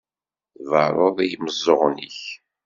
Tberruḍ i yimeẓẓuɣen-ik.